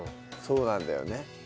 そうなんだよね。